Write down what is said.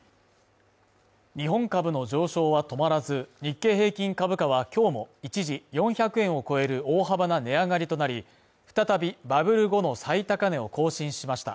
日本株の上昇は止まらず、日経平均株価は今日も一時４００円を超える大幅な値上がりとなり、再びバブル後の最高値を更新しました。